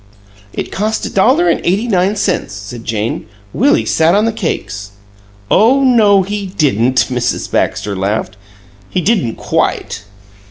"It cost a dollar and eighty nine cents," said Jane. "Willie sat on the cakes." "Oh no, he didn't," Mrs. Baxter laughed. "He didn't QUITE!"